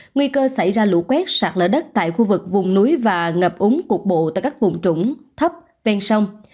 nguy cơ xảy ra lũ quét sạt lở đất tại khu vực vùng núi và ngập úng cục bộ tại các vùng trũng thấp ven sông